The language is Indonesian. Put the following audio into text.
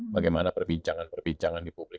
bagaimana perbincangan perbincangan di publik